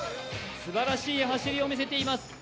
すばらしい走りを見せています。